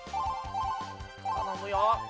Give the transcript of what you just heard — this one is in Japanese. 頼むよ。